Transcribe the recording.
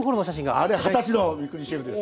あれ二十歳の三國シェフです。